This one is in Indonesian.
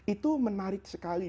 itu menarik sekali